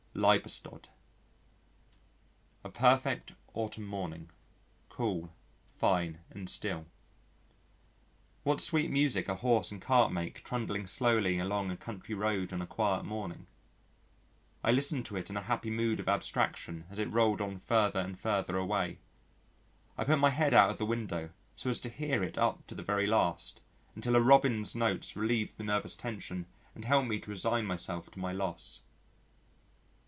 Liebestod A perfect autumn morning cool, fine and still. What sweet music a horse and cart make trundling slowly along a country road on a quiet morning! I listened to it in a happy mood of abstraction as it rolled on further and further away. I put my head out of the window so as to hear it up to the very last, until a Robin's notes relieved the nervous tension and helped me to resign myself to my loss.